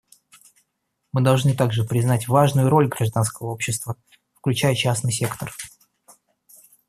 Мы должны также признать важную роль гражданского общества, включая частный сектор.